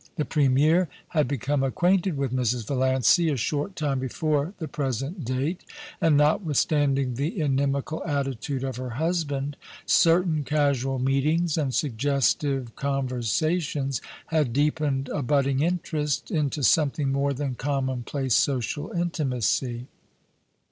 The Premier had become acquainted with Mrs. Valiancy a short time before the present date ; and notwithstanding the inimical attitude of her husband, certain casual meetings and suggestive conversations had deepened a budding interest into something more than commonplace social intimacy.